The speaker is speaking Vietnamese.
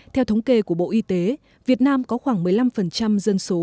theo thống kê của bộ y tế việt nam có khoảng một mươi năm dân số